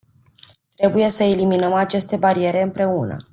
Trebuie să eliminăm aceste bariere împreună.